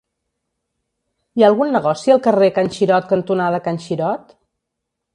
Hi ha algun negoci al carrer Can Xirot cantonada Can Xirot?